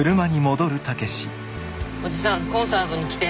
おじさんコンサートに来て。